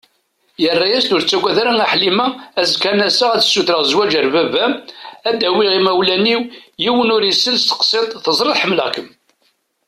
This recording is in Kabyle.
Yerra-as-d: Ur ttaggad a Ḥlima, azekka ad n-aseɣ ad sutreɣ zwaǧ ar baba-m, ad d-awiɣ imawlan-iw, yiwen ur isel tseqsiḍt, teẓriḍ ḥemmleɣ-kem.